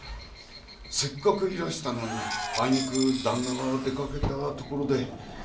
折角いらしたのにあいにく旦那は出かけたところで。